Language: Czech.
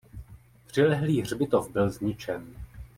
Přilehlý hřbitov byl zničen.